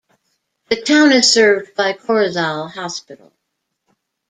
The town is served by Corozal Hospital.